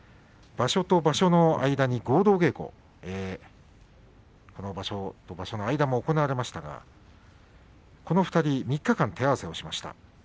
場所と場所の間に合同稽古が行われましたがこの２人、３日間手合わせをしました。